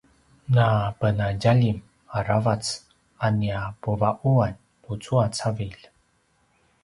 napenadjalim aravac a nia puva’uan tucu a cavilj